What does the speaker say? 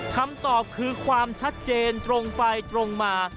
คำตอบคือความชัดเจนตรงไปตรงมา